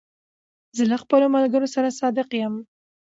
زه له خپلو ملګرو سره صادق یم.